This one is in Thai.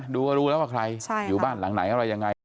ดูก็รู้แล้วว่าใครอยู่บ้านหลังไหนอะไรยังไง